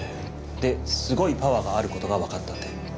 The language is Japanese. ですごいパワーがあることが分かったって。